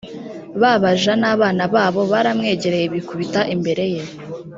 ba baja n abana babo baramwegera bikubita imbere ye